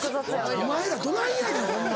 お前らどないやねんホンマ。